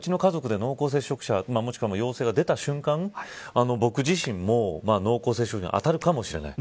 うちの家族で濃厚接触者もしくは陽性が出たときに僕自身も濃厚接触者にあたるかもしれない。